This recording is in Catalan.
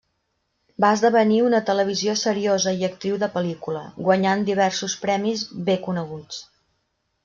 Va esdevenir una televisió seriosa i actriu de pel·lícula, guanyant diversos premis bé coneguts.